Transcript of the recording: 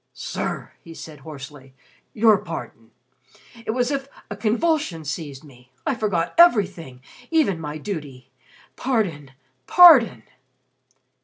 "Sir," he said hoarsely, "your pardon! It was as if a convulsion seized me. I forgot everything even my duty. Pardon, pardon!"